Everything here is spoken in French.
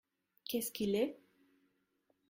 Qu’est-ce qu’il est ?